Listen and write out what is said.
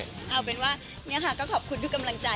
เอาเป็นว่านี่ค่ะก็ขอบคุณทุกกำลังใจ